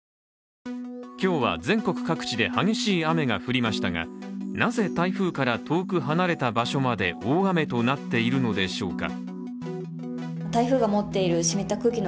今日は全国各地で激しい雨が降りましたが、なぜ台風から遠く離れた場所まで大雨となっているのでしょうか。